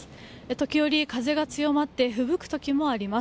時折、風が強まってふぶく時もあります。